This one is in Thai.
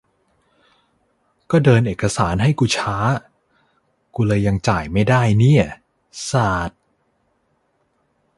ก็เดินเอกสารให้กุช้า กุเลยยังไม่ได้จ่ายเนี่ย สาด